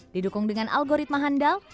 didukung dengan algoritma handal